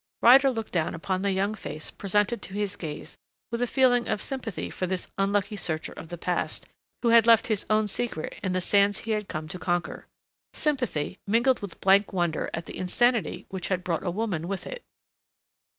Ryder looked down upon the young face presented to his gaze with a feeling of sympathy for this unlucky searcher of the past who had left his own secret in the sands he had come to conquer sympathy mingled with blank wonder at the insanity which had brought a woman with it....